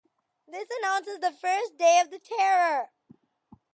This announces the first day of the Terror.